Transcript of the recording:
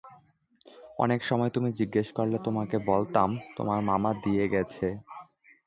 অনেক সময় তুমি জিজ্ঞেস করলে তোমাকে বলতাম, তোমার মামা দিয়ে গেছে।